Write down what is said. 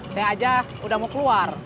saya aja udah mau keluar